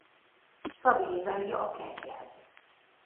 Stabilizálja a kengyelt.